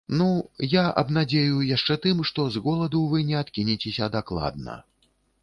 Ну, я абнадзею яшчэ тым, што з голаду вы не адкінецеся дакладна.